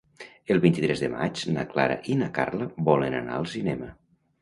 El vint-i-tres de maig na Clara i na Carla volen anar al cinema.